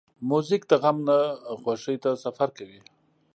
موزیک د غم نه خوښۍ ته سفر کوي.